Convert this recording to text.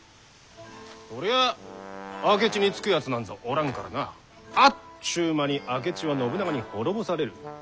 そりゃあ明智につくやつなんぞおらんからなあっちゅう間に明智は信長に滅ぼされる。